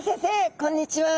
こんにちは。